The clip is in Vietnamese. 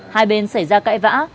hai bên xảy ra cãi vã